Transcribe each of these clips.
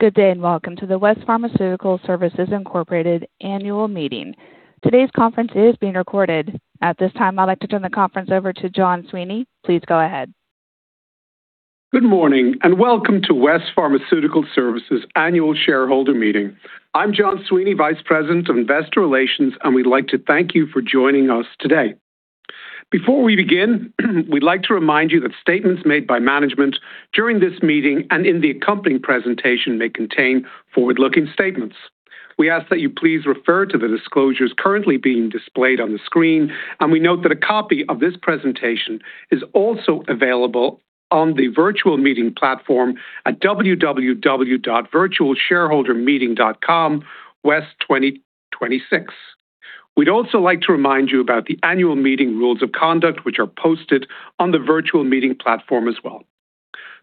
Good day, welcome to the West Pharmaceutical Services Incorporated Annual Meeting. Today's conference is being recorded. At this time, I'd like to turn the conference over to John Sweeney. Please go ahead. Good morning, welcome to West Pharmaceutical Services Annual Shareholder Meeting. I'm John Sweeney, vice president of investor relations, and we'd like to thank you for joining us today. Before we begin, we'd like to remind you that statements made by management during this meeting and in the accompanying presentation may contain forward-looking statements. We ask that you please refer to the disclosures currently being displayed on the screen, and we note that a copy of this presentation is also available on the virtual meeting platform at www.virtualshareholdermeeting.com West 2026. We'd also like to remind you about the annual meeting rules of conduct, which are posted on the virtual meeting platform as well.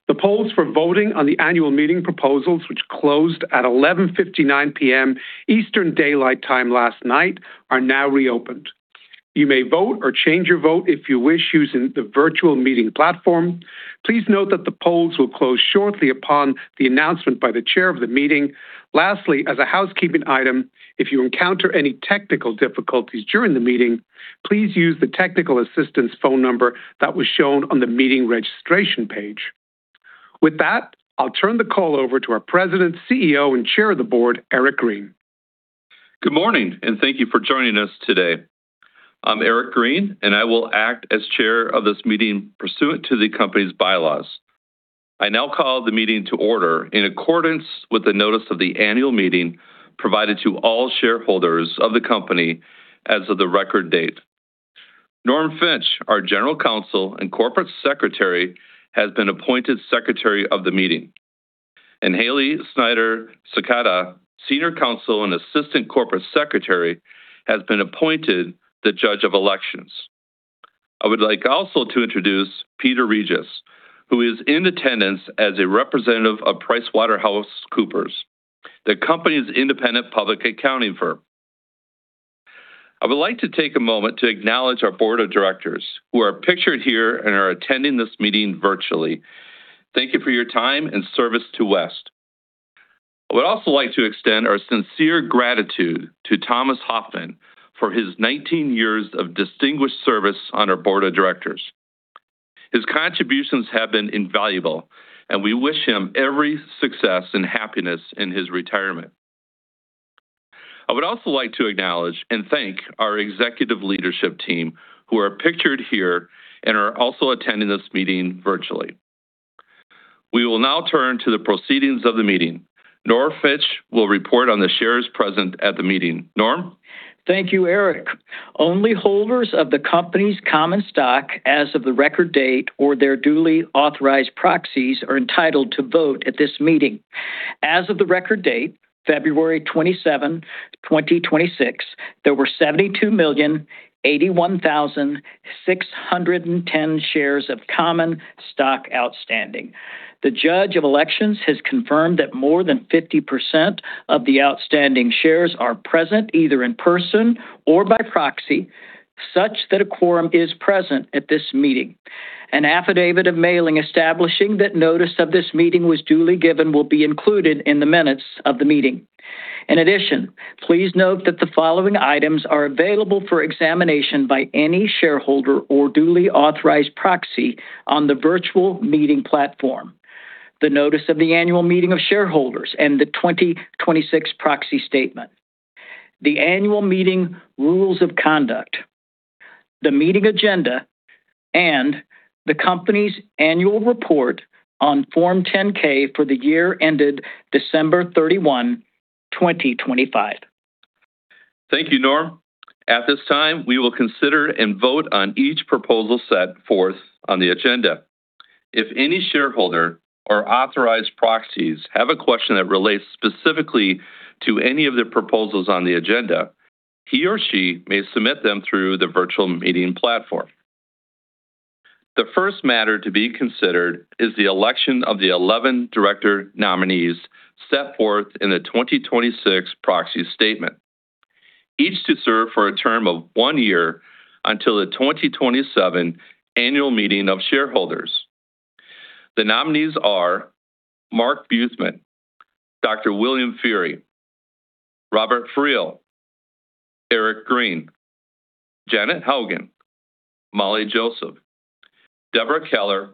The polls for voting on the annual meeting proposals, which closed at 11:59 P.M. Eastern Daylight Time last night, are now reopened. You may vote or change your vote if you wish using the virtual meeting platform. Please note that the polls will close shortly upon the announcement by the Chair of the Meeting. Lastly, as a housekeeping item, if you encounter any technical difficulties during the meeting, please use the technical assistance phone number that was shown on the meeting registration page. With that, I'll turn the call over to our President, CEO, and Chair of the Board, Eric Green. Good morning, and thank you for joining us today. I'm Eric Green. I will act as chair of this meeting pursuant to the company's bylaws. I now call the meeting to order in accordance with the notice of the annual meeting provided to all shareholders of the company as of the record date. Norm Finch, our General Counsel and Corporate Secretary, has been appointed secretary of the meeting. Hayley Snyder-Sakala, Senior Counsel and Assistant Corporate Secretary, has been appointed the judge of elections. I would like also to introduce Peter Regis, who is in attendance as a representative of PricewaterhouseCoopers, the company's independent public accounting firm. I would like to take a moment to acknowledge our Board of Directors who are pictured here and are attending this meeting virtually. Thank you for your time and service to West. I would also like to extend our sincere gratitude to Thomas W. Hofmann for his 19 years of distinguished service on our Board of Directors. His contributions have been invaluable, and we wish him every success and happiness in his retirement. I would also like to acknowledge and thank our executive leadership team who are pictured here and are also attending this meeting virtually. We will now turn to the proceedings of the meeting. Norm Finch will report on the shares present at the meeting. Norm? Thank you, Eric. Only holders of the company's common stock as of the record date or their duly authorized proxies are entitled to vote at this meeting. As of the record date, February 27, 2026, there were 72,081,610 shares of common stock outstanding. The judge of elections has confirmed that more than 50% of the outstanding shares are present, either in person or by proxy, such that a quorum is present at this meeting. An affidavit of mailing establishing that notice of this meeting was duly given will be included in the minutes of the meeting. In addition, please note that the following items are available for examination by any shareholder or duly authorized proxy on the virtual meeting platform. The notice of the annual meeting of shareholders and the 2026 proxy statement, the annual meeting rules of conduct, the meeting agenda, and the company's annual report on Form 10-K for the year ended December 31, 2025. Thank you, Norm. At this time, we will consider and vote on each proposal set forth on the agenda. If any shareholder or authorized proxies have a question that relates specifically to any of the proposals on the agenda, he or she may submit them through the virtual meeting platform. The first matter to be considered is the election of the 11 director nominees set forth in the 2026 proxy statement, each to serve for a term of one year until the 2027 annual meeting of shareholders. The nominees are Mark A. Buthman, William F. Feehery, Robert Friel, Eric Green, Janet Hogan, Molly Joseph, Deborah Keller,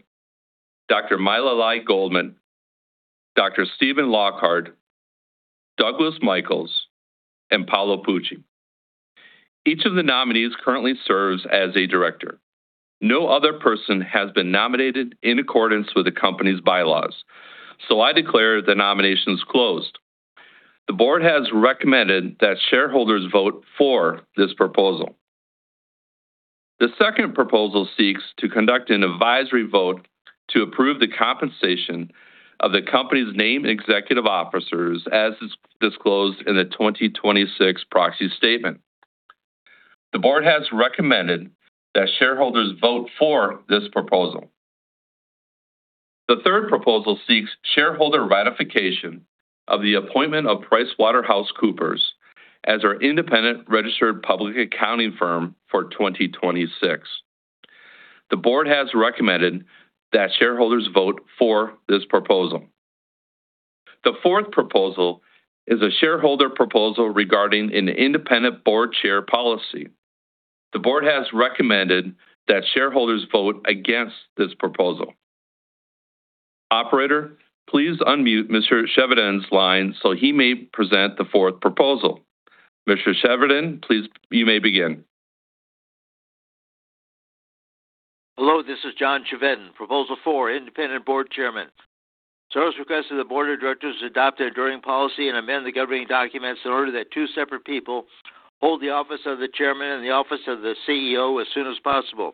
Dr. Myla P. Lai-Goldman, Stephen Lockhart, Douglas Michaels, and Paolo Pucci. Each of the nominees currently serves as a director. No other person has been nominated in accordance with the company's bylaws. I declare the nominations closed. The board has recommended that shareholders vote for this proposal. The second proposal seeks to conduct an advisory vote to approve the compensation of the company's named executive officers as is disclosed in the 2026 proxy statement. The board has recommended that shareholders vote for this proposal. The third proposal seeks shareholder ratification of the appointment of PricewaterhouseCoopers as our independent registered public accounting firm for 2026. The board has recommended that shareholders vote for this proposal. The fourth proposal is a shareholder proposal regarding an independent board chair policy. The board has recommended that shareholders vote against this proposal. Operator, please unmute Mr. Chevedden's line so he may present the fourth proposal. Mr. Chevedden, please, you may begin. Hello, this is John Chevedden, Proposal four, Independent Board Chairman. Shares request that the Board of Directors adopt a enduring policy and amend the governing documents in order that two separate people hold the office of the chairman and the office of the CEO as soon as possible.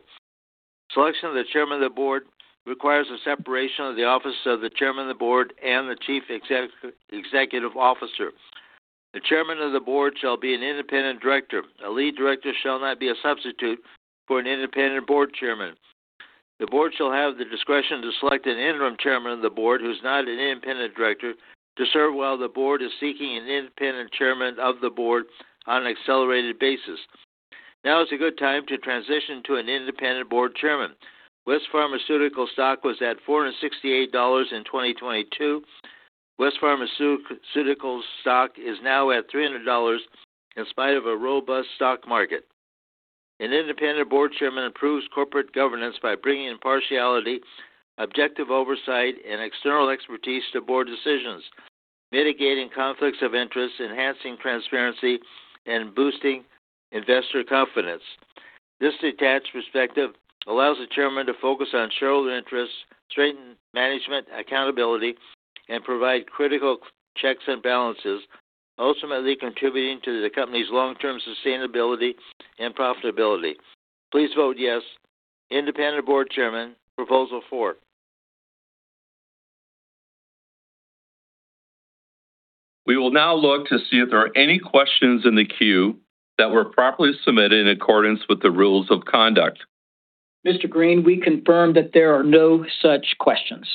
Selection of the chairman of the board requires a separation of the office of the Chairman of the Board and the Chief Executive Officer. The chairman of the board shall be an independent director. A lead director shall not be a substitute for an Independent Board Chairman. The board shall have the discretion to select an interim chairman of the board who's not an independent director to serve while the board is seeking an independent chairman of the board on an accelerated basis. Now is a good time to transition to an Independent Board Chairman. West Pharmaceutical stock was at $468 in 2022. West Pharmaceutical stock is now at $300 in spite of a robust stock market. An Independent Board Chairman improves corporate governance by bringing impartiality, objective oversight, and external expertise to board decisions, mitigating conflicts of interest, enhancing transparency, and boosting investor confidence. This detached perspective allows the chairman to focus on shareholder interests, strengthen management accountability, and provide critical checks and balances, ultimately contributing to the company's long-term sustainability and profitability. Please vote yes, Independent Board Chairman, proposal four. We will now look to see if there are any questions in the queue that were properly submitted in accordance with the rules of conduct. Mr. Green, we confirm that there are no such questions.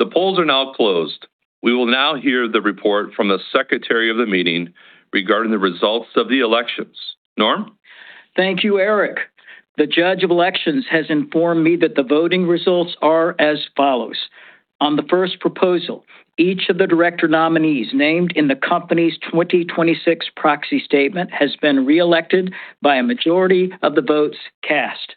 The polls are now closed. We will now hear the report from the secretary of the meeting regarding the results of the elections. Norm? Thank you, Eric. The judge of elections has informed me that the voting results are as follows. On the first proposal, each of the director nominees named in the company's 2026 proxy statement has been reelected by a majority of the votes cast.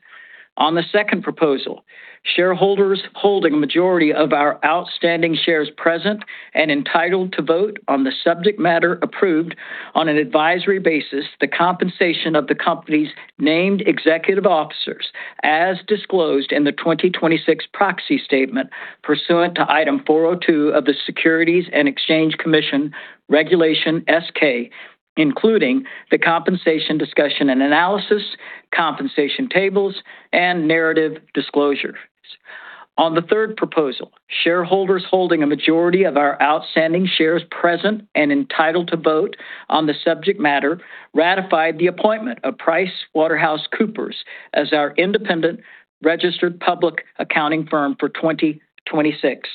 On the second proposal, shareholders holding a majority of our outstanding shares present and entitled to vote on the subject matter approved on an advisory basis the compensation of the company's named executive officers as disclosed in the 2026 proxy statement pursuant to Item 402 of the Securities and Exchange Commission Regulation S-K, including the compensation discussion and analysis, compensation tables, and narrative disclosures. On the third proposal, shareholders holding a majority of our outstanding shares present and entitled to vote on the subject matter ratified the appointment of PricewaterhouseCoopers as our independent registered public accounting firm for 2026.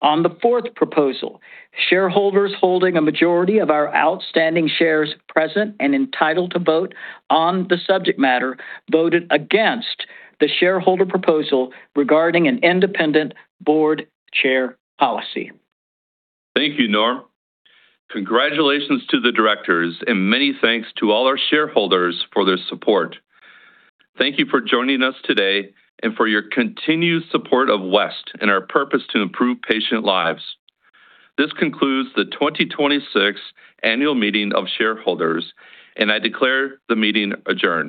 On the fourth proposal, shareholders holding a majority of our outstanding shares present and entitled to vote on the subject matter voted against the shareholder proposal regarding an independent board chair policy. Thank you, Norm. Congratulations to the directors, and many thanks to all our shareholders for their support. Thank you for joining us today and for your continued support of West and our purpose to improve patient lives. This concludes the 2026 annual meeting of shareholders, and I declare the meeting adjourned.